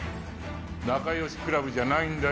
仲良しクラブじゃないんだよ